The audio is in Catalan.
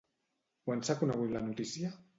Quan s'ha conegut la notícia?